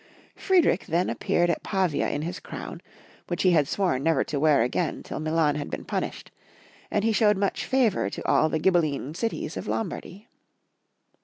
Friedrich then appeared at Pavia in his crown, wliich he had sworn never to wear again till MUan had been punished, and he showed much favor to all the Gliibelline cities of Lombardy.